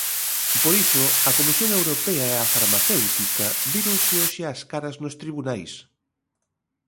Por iso a Comisión Europea e a farmacéutica víronse hoxe as caras nos tribunais.